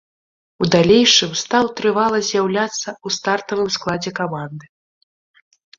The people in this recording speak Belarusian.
У далейшым стаў трывала з'яўляцца ў стартавым складзе каманды.